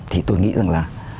thì tôi nghĩ rằng là